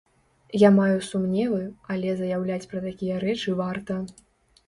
Я маю сумневы, але заяўляць пра такія рэчы варта.